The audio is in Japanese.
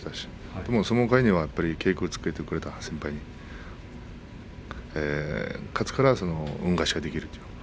でも相撲界では稽古をつけてくれた先輩に勝つから、恩返しができると。